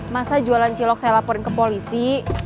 masa jualan cilok saya laporin ke polisi